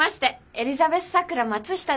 エリザベス・さくら・松下です。